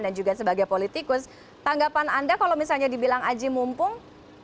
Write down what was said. dan juga sebagai politikus tanggapan anda kalau misalnya dibilang aji mumpung